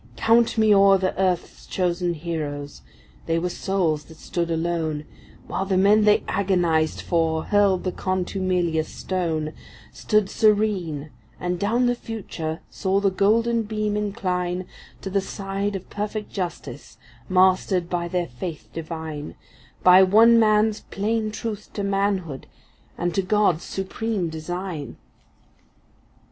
Count me o’er earth’s chosen heroes,—they were souls that stood alone, While the men they agonized for hurled the contumelious stone, Stood serene, and down the future saw the golden beam incline To the side of perfect justice, mastered by their faith divine, By one man’s plain truth to manhood and to God’s supreme design.